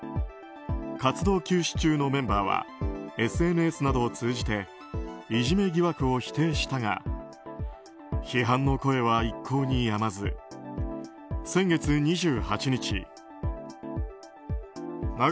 活動休止中のメンバーはＳＮＳなどを通じていじめ疑惑を否定したが批判の声は一向にやまず先月２８日。